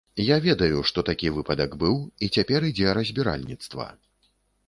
Я ведаю, што такі выпадак быў, і цяпер ідзе разбіральніцтва.